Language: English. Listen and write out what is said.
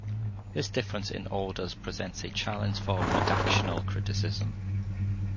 This difference in orders presents a challenge for redactional criticism.